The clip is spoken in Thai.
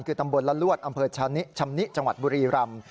คือตำบลละลวดอำเภอชานิชำนิจังหวัดบุรีรำ